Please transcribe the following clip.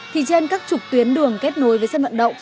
thì trên các trục tuyến đường kết nối với sân vận động